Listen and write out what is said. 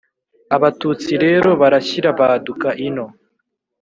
abatutsi rero barashyira baduka ino.